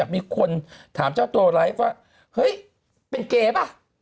มีคนถามเจ้าตัวไลฟ์ว่าเฮ้ยเป็นเกย์ป่ะ